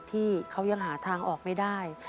ที่เขายังหาทางออกไม่ได้